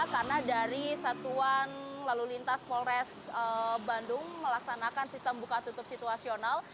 karena dari satuan lalu lintas polres bandung melaksanakan sistem buka tutup situasional